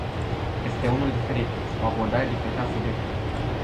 Este unul diferit, o abordare diferită a subiectului.